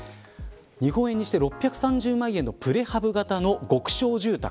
日本円にして６３０万円のプレハブ型の極小住宅。